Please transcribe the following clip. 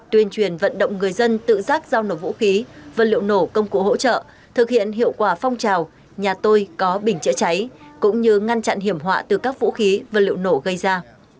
tuyên truyền vận động người dân tự giác giao nổ vũ khí vật liệu nổ công cụ hỗ trợ thực hiện hiệu quả phong trào nhà tôi có bình chữa cháy cũng như ngăn chặn hiểm họa từ các vũ khí vật liệu nổ gây ra